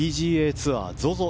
ツアーＺＯＺＯ